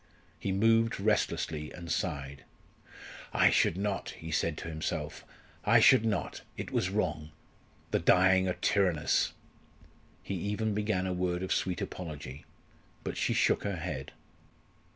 He moved restlessly, and sighed. "I should not," he said to himself; "I should not it was wrong. The dying are tyrannous." He even began a word of sweet apology. But she shook her head.